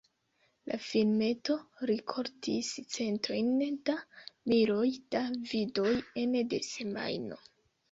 La filmeto rikoltis centojn da miloj da vidoj ene de semajno.